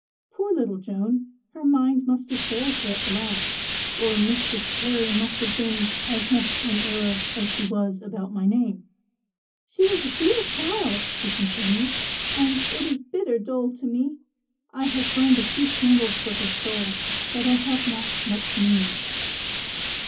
"Poor little Joan, her mind must have failed her at the last, or Mistress Parry must have been as much in error as she was about my name. She was a dear child," she continued, "and it is bitter dole to me. I have burned a few candles for her soul, but I have not much means."